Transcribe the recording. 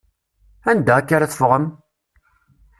Anda akka ara teffɣem?